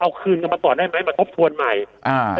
เอาคืนกันมาก่อนได้ไหมมาทบทวนใหม่อ่า